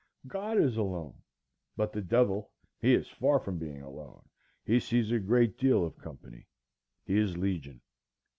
God is alone,—but the devil, he is far from being alone; he sees a great deal of company; he is legion.